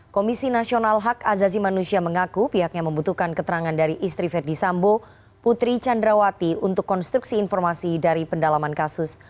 komisi nasional hak azazi manusia mengaku pihaknya membutuhkan keterangan dari istri verdi sambo putri candrawati untuk konstruksi informasi dari pendalaman kasus